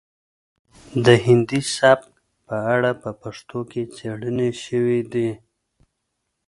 د هندي سبک په اړه په پښتو کې څیړنې شوي دي